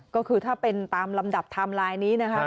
ก็คือถ้าเป็นตามลำดับไทม์ไลน์นี้นะคะ